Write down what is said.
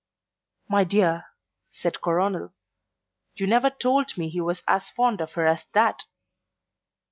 "My dear," said Coronel, "you never told me he was as fond of her as that."